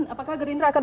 apakah gerindra akan